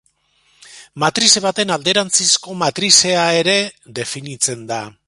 Matrize baten alderantzizko matrizea ere definitzen da.